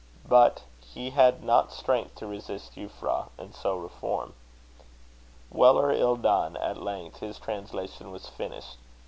But he had not strength to resist Euphra, and so reform. Well or ill done, at length his translation was finished.